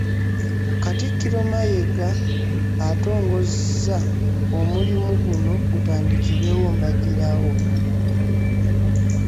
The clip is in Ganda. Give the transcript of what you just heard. Katikkiro Mayiga atongozza omulimu guno gutandikirewo mbagirawo.